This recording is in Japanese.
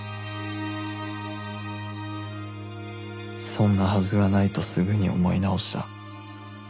そんなはずがないとすぐに思い直した